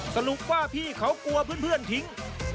สรุปว่าพี่เขากลัวเพื่อนทิ้ง